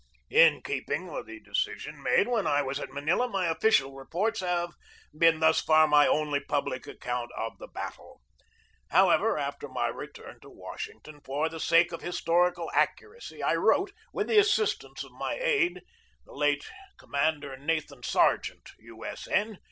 In keeping with the decision made when I was at Manila, my official reports have been thus far my only public account of the battle. However, after my return to Washington, for the sake of historical accuracy I wrote, with the assistance of my aide, the late Commander Nathan Sargent, U. S. N.